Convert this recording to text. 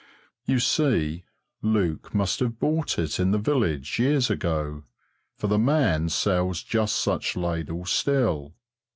You see, Luke must have bought it in the village, years ago, for the man sells just such ladles still.